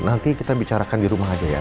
nanti kita bicarakan di rumah aja ya